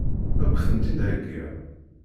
Ad k-tent-id-heggiɣ?